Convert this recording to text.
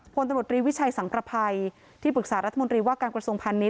พตวิชัยสังประภัยที่ปรึกษารัฐมนตรีว่าการกระทรวงพันธ์นิต